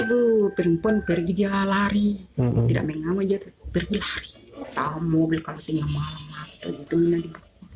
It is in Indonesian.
bergi dia lari tidak mengamu aja bergi lari